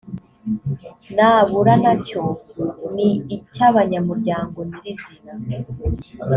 nabura nacyo ni icy abanyamuryango nyirizina